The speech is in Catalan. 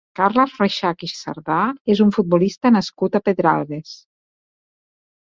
Carles Rexach i Cerdà és un futbolista nascut a Pedralbes.